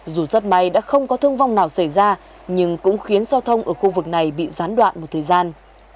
dù rất may đã không có thương vong nào xảy ra nhưng cũng khiến giao thông ở khu vực này bị gián đoạn một thời gian